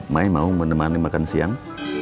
mai mau menemani makan siang